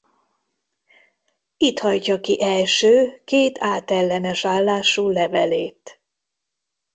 Itt hajtja ki első két átellenes állású levelét.